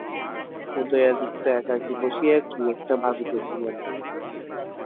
উদয়াদিত্য একাকী বসিয়া কি একটা ভাবিতেছিলেন।